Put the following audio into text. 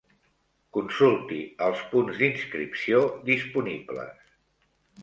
Consulti els punts d'inscripció disponibles.